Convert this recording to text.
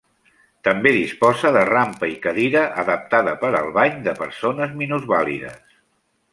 També disposa de rampa i cadira adaptada per al bany de persones minusvàlides.